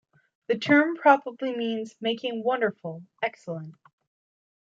The term probably means "making wonderful, excellent".